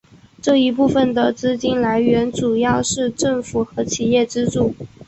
这一部分的资金来源主要是政府和企业资助。